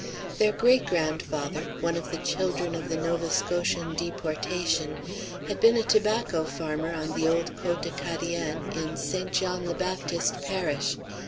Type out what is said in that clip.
Their great grandfather, one of the children of the Nova Scotian deportation, had been a tobacco farmer on the old Côte Acadien in St. John the Baptist parish.